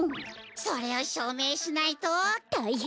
それをしょうめいしないと。たいへんなことに！